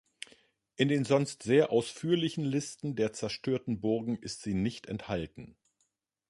In den sonst sehr ausführlichen Listen der zerstörten Burgen ist sie nicht enthalten.